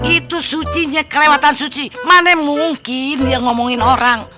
itu suci nya kelewatan suci mana mungkin dia ngomongin orang